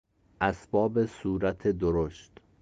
اسباب صورت درشت